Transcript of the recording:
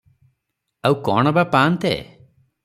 ଆଉ କଅଣ ବା ପାଆନ୍ତେ?